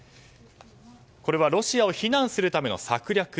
これはロシアを非難するための策略。